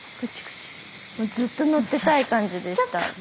スタジオずっと乗ってたい感じでした。